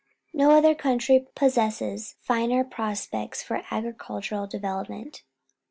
No other country possesses finer prospects for agricultural development.